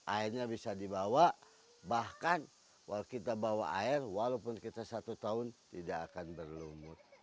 airnya bisa dibawa bahkan kita bawa air walaupun kita satu tahun tidak akan berlumut